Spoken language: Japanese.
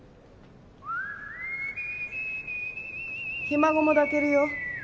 ひ孫も抱けるよ。